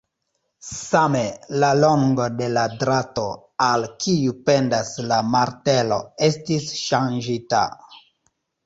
Same, la longo de la drato, al kiu pendas la martelo, estis ŝanĝita.